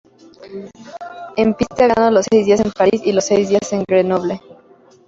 En pista ganó los Seis días de París y los Seis días de Grenoble.